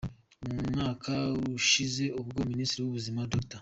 Umwaka ushize ubwo Minisitiri w’Ubuzima Dr.